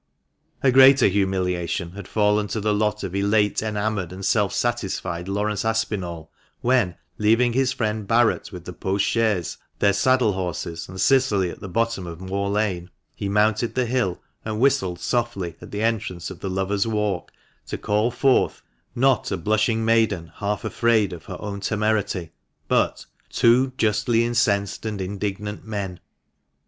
A greater humiliation had fallen to the lot of elate, enamoured, and self satisfied Laurence Aspinall, when, leaving his friend Barret with the post chaise, their saddle horses, and Cicily at the bottom of Moor Lane, he mounted the hill and whistled softly at the entrance of the Lovers' Walk, to call forth — not a blushing maiden, half afraid of her own temerity, but — two justly incensed and indignant men.